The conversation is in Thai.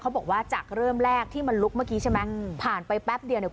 บอกว่าจากเริ่มแรกที่มันลุกเมื่อกี้ใช่ไหมอืมผ่านไปแป๊บเดียวเนี่ย